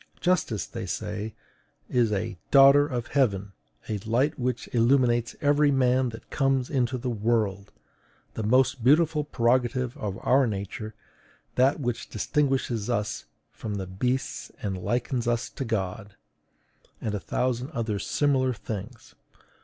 Justice, they say, is a DAUGHTER OF HEAVEN; A LIGHT WHICH ILLUMINES EVERY MAN THAT COMES INTO THE WORLD; THE MOST BEAUTIFUL PREROGATIVE OF OUR NATURE; THAT WHICH DISTINGUISHES US FROM THE BEASTS AND LIKENS US TO GOD and a thousand other similar things.